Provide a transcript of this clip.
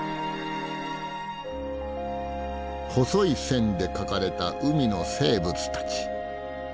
細い線で描かれた海の生物たち。